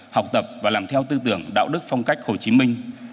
học tập và làm theo tư tưởng đạo đức phong cách hồ chí minh